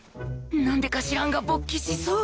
なんでか知らんが勃起しそう！